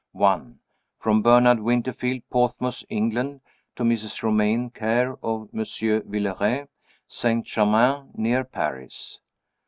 "From Bernard Winterfield, Portsmouth, England. To Mrs. Romayne care of M. Villeray, St. Germain, near Paris.